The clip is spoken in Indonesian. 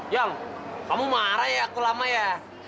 yang kamu marah ya aku lama ya